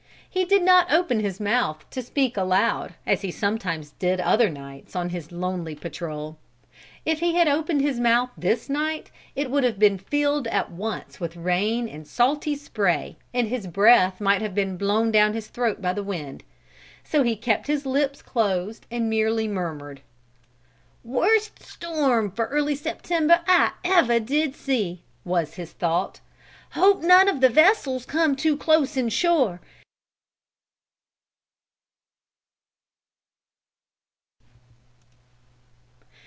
He did not open his mouth to speak aloud, as he sometimes did other nights, on his lonely patrol. If he had opened his mouth this night it would have been filled at once with rain and salty spray and his breath might have been blown down his throat by the wind. So he kept his lips closed and merely murmured. "Worst storm for early September I ever see!" was his thought. "Hope none of the vessels come too close in shore.